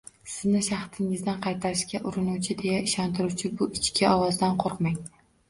Sizni shaxtingizdan qaytarishga urinuvchi deya ishontiruvchi bu ichki ovozdan qo‘rqmang